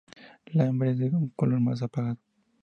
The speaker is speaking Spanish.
La hembra es de un color más apagado.